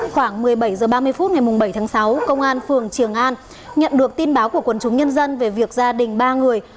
khoảng một mươi bảy h ba mươi phút ngày bảy tháng sáu công an phường trường an nhận được tin báo của quần chúng nhân dân về việc gia đình ba người